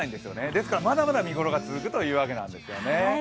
ですから、まだまだ見頃が続くというわけなんですよね。